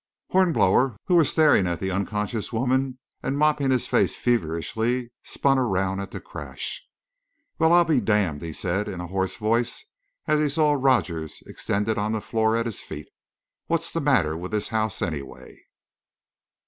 Hornblower, who was staring at the unconscious woman and mopping his face feverishly, spun around at the crash. "Well, I'll be damned!" he said, in a hoarse voice, as he saw Rogers extended on the floor at his feet. "What's the matter with this house, anyway?"